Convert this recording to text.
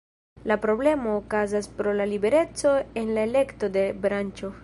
La problemo okazas pro la libereco en la elekto de branĉo.